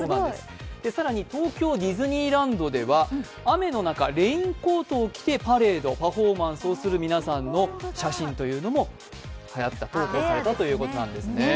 更に、東京ディズニーランドでは、雨の中、レインコートを着てパレード、パフォーマンスを見るという皆さんの写真というのも投稿されたということなんですね。